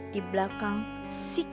di belakang sikap yang sok manis kayak gini